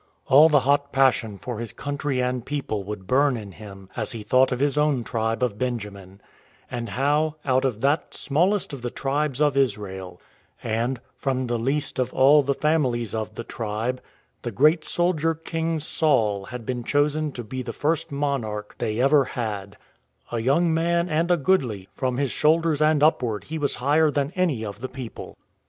All the hot pas sion for his country and people would burn in him as he thought of his own tribe of Benjamin — and how, out of that " smallest of the tribes of Israel," and " from the least of all the families of the tribe," the great soldier king Saul had been chosen to be the first monarch they ever had —" a young man and a goodly ,.. from his shoulders and upward he was higher than any of the people."